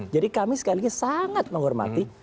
jadi kami sekali lagi sangat menghormati